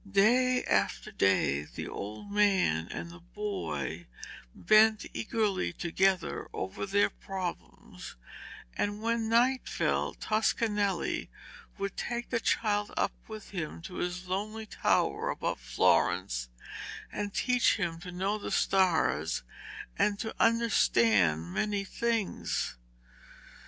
Day after day the old man and the boy bent eagerly together over their problems, and when night fell Toscanelli would take the child up with him to his lonely tower above Florence, and teach him to know the stars and to understand many things.